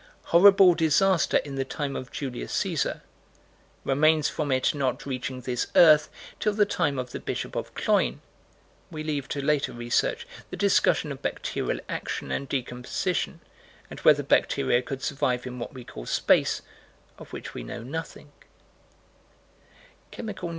Horrible disaster in the time of Julius Caesar; remains from it not reaching this earth till the time of the Bishop of Cloyne: we leave to later research the discussion of bacterial action and decomposition, and whether bacteria could survive in what we call space, of which we know nothing Chemical News, 35 183: Dr. A.